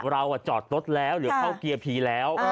เราจอดรถแล้วหรือเข้าเกียร์ผีแล้ว